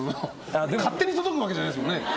勝手に届くわけじゃないですよね。